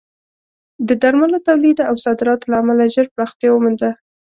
د درملو تولید او صادراتو له امله ژر پراختیا ومونده.